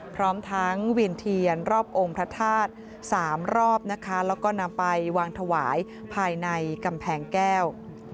พร้อมทั้งเวียนเทียนรอบองค์พระธาตุ๓รอบนะคะแล้วก็นำไปวางถวายภายในกำแพงแก้ว